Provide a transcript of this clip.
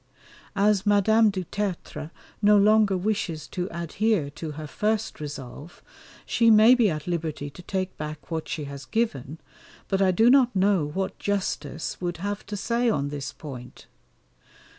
As Madame du Tertre no longer wishes to adhere to her first resolve, she may be at liberty to take back what she has given, but I do not know what justice would have to say on this point.